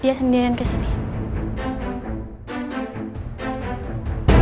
dia sendiri atau bersama wanita yang difoto di sini